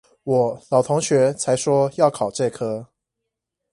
我老同學才說要考這科